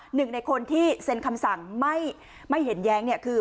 หนึ่งในคนที่เซ็นคำสั่งไม่เห็นแย้งเนี่ยคือ